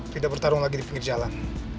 tidak bertarung lagi di pinggir jalan